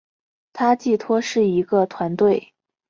它寄托是一个团队